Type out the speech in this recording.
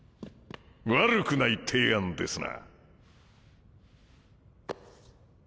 悪くない提案ですな。